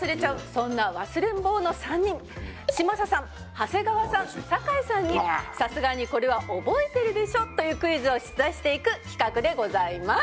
そんな忘れん坊の３人嶋佐さん長谷川さん酒井さんにさすがにこれは覚えてるでしょ？というクイズを出題していく企画でございます。